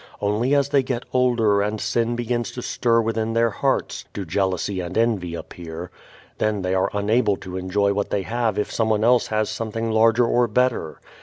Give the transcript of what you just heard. Only as they get older and sin begins to stir within their hearts do jealousy and envy appear. Then they are unable to enjoy what they have if someone else has something larger or better.